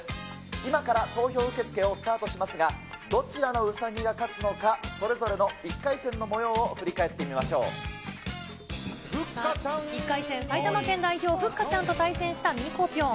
今から投票受け付けをスタートしますが、どちらのうさぎが勝つのか、それぞれの１回戦のもようを１回戦、埼玉県代表、ふっかちゃんと対戦したミコぴょん。